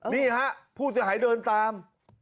นี่ฮะผู้เสียหายเดินตาม